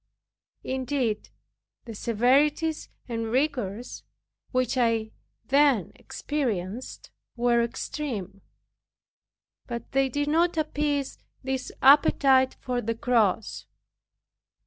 Indeed the severities and rigors which I then exercised were extreme, but they did not appease this appetite for the cross.